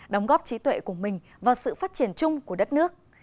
đóng góp trí tuệ của mình vào sự phát triển chung của đất nước